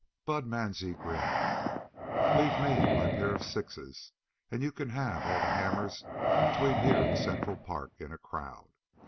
Bud Mansie grinned: "Leave me my pair of sixes and you can have all the hammers between here and Central Park in a crowd.